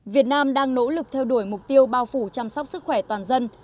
việt nam đang nỗ lực theo đuổi mục tiêu bao phủ chăm sóc sức khỏe toàn dân